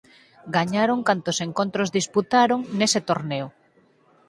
Gañaron cantos encontros disputaron nese torneo.